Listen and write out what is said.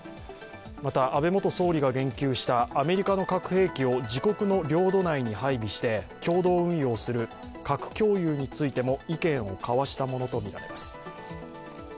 また、安倍元総理が言及したアメリカの核兵器を自国の領土内に配備して共同運用する核共有についても意見を交わしたものとみられます。